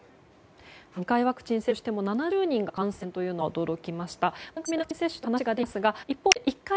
２回ワクチン接種しても７０人が感染というのは驚きました。